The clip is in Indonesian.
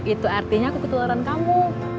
itu artinya aku ketularan kamu